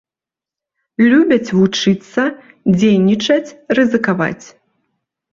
Любяць вучыцца, дзейнічаць, рызыкаваць.